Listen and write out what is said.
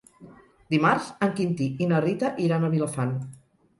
Dimarts en Quintí i na Rita iran a Vilafant.